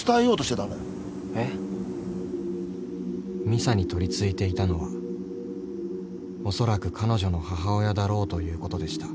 ［美沙に取りついていたのはおそらく彼女の母親だろうということでした］